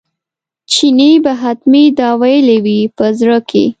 چیني به حتمي دا ویلي وي په زړه کې.